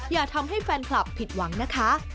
อย่าทำให้แฟนคลับผิดหวังนะคะ